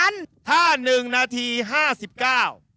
เร็ว